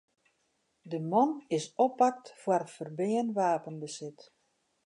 De man is oppakt foar ferbean wapenbesit.